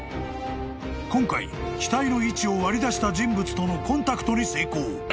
［今回機体の位置を割り出した人物とのコンタクトに成功］